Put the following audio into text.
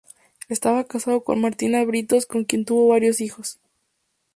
Estaba casado con Martina Britos, con quien tuvo varios hijos.